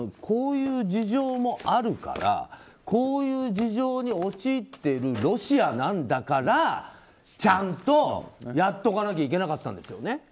こういう事情もあるからこういう事情に陥っているロシアなんだからちゃんとやっておかなきゃいけなかったんですよね。